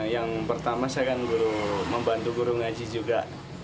yang pertama saya akan membantu guru mengaji juga